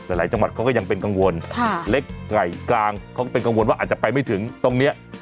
หลายจังหวัดเขาก็ยังเป็นกังวลเล็กไก่กลางเขาก็เป็นกังวลว่าอาจจะไปไม่ถึงตรงนี้